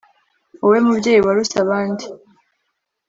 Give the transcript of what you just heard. wowe mubyeyi waruse abandi